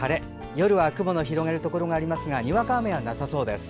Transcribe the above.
夜は雲の広がるところがありますがにわか雨はなさそうです。